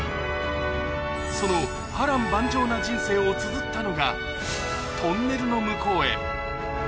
その波瀾万丈な人生をつづったのが『トンネルの向こうへ』